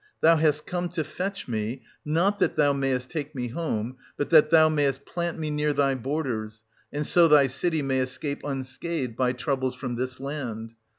Thou hast come to fetch me, not that thou mayest take me home, but that thou mayest plant me near thy borders, and so thy city may escape unscathed by troubles from this land.